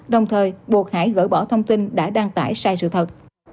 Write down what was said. đồng thời buộc hải gỡ bỏ thông tin đã đăng tải sai sự thật